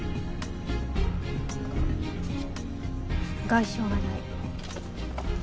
外傷はない。